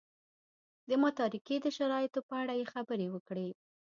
د متارکې د شرایطو په اړه یې خبرې وکړې.